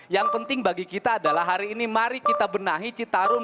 yang penting bagi kita adalah hari ini mari kita benahi citarum